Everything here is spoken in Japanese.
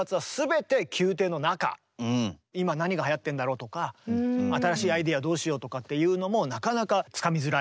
今何がはやってんだろうとか新しいアイデアどうしようとかっていうのもなかなかつかみづらい。